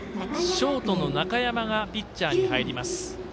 ショートの中山がピッチャーに入ります。